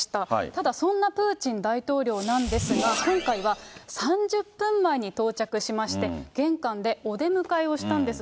ただそんなプーチン大統領なんですが、今回は３０分前に到着しまして、玄関でお出迎えをしたんです。